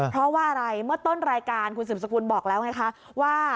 เพราะว่าอะไรเมื่อต้นรายการคุณสืบสกุลบอกแล้วไงคะว่า